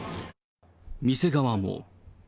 店側も。